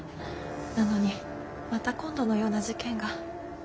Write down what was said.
なのにまた今度のような事件が。